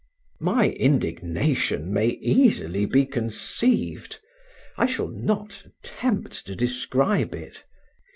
My indignation may easily be conceived; I shall not attempt to describe it.